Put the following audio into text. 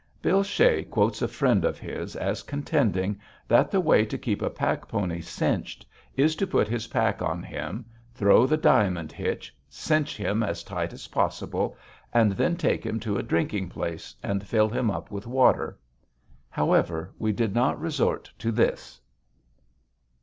Bill Shea quotes a friend of his as contending that the way to keep a pack pony cinched is to put his pack on him, throw the diamond hitch, cinch him as tight as possible, and then take him to a drinking place and fill him up with water. However, we did not resort to this.